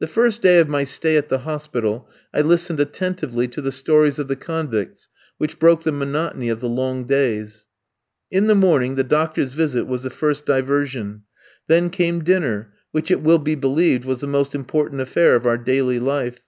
The first day of my stay at the hospital I listened attentively to the stories of the convicts, which broke the monotony of the long days. In the morning, the doctor's visit was the first diversion. Then came dinner, which it will be believed was the most important affair of our daily life.